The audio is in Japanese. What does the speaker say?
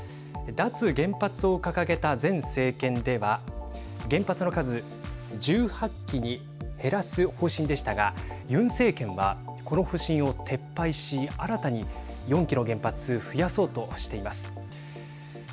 脱原発を掲げた前政権では原発の数１８基に減らす方針でしたがユン政権は、この方針を撤廃し新たに４基の原発増やそうとしています。